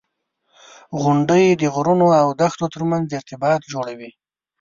• غونډۍ د غرونو او دښتو ترمنځ ارتباط جوړوي.